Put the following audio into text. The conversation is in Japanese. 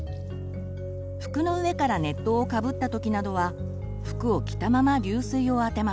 服の上から熱湯をかぶったときなどは服を着たまま流水を当てます。